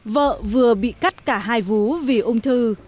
vợ vừa bị cắt cả hai vú vì ung thư